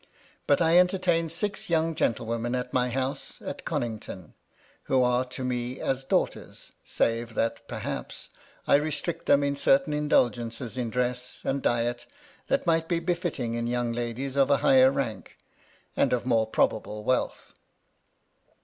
* But I entertain six young gentlewomen at my house at * Connington, who are to me as daughters — save that, * perhaps, I restrict them in certain indulgences in dress * and diet that might be befitting in young ladies of a ^higher rank, and of more probable wealth.